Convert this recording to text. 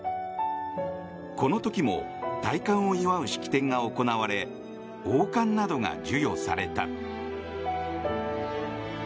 この時も戴冠を祝う式典が行われ王冠などが授与された。